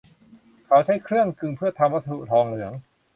เขาใช้เครื่องกลึงเพื่อทำวัตถุทองเหลือง